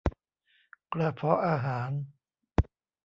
กระเพาะอาหาร